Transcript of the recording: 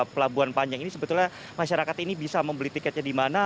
pelabuhan panjang ini sebetulnya masyarakat ini bisa membeli tiketnya di mana